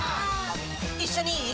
一緒にいい？